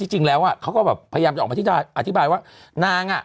จริงแล้วเขาก็แบบพยายามจะออกมาอธิบายว่านางอ่ะ